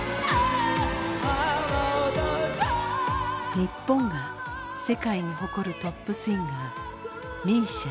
日本が世界に誇るトップシンガーＭＩＳＩＡ。